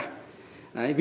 vì làm sao